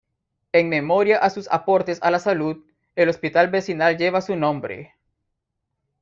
En memoria a sus aportes a la salud, el Hospital Vecinal lleva su nombre.